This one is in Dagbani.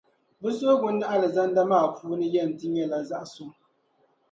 Bɛ suhigu di Alizanda maa puuni yɛn ti nyɛla zaɣ'suŋ.